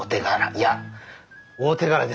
いや大手柄です。